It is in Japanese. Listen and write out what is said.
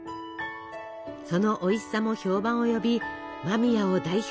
そのおいしさも評判を呼び間宮を代表するお菓子に。